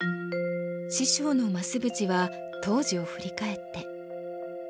師匠の増淵は当時を振り返って。